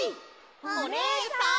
おねえさん！